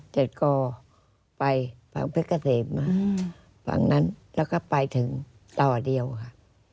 เสร็จก็ไปฝั่งเพชรเกษมมาฝั่งนั้นแล้วก็ไปถึงต่อเดียวค่ะ